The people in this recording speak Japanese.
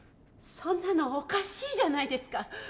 そんなのおかしいじゃないですか！